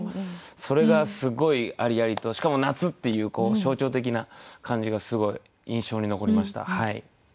それがすっごいありありとしかも夏っていう象徴的な感じがすごい印象に残りました。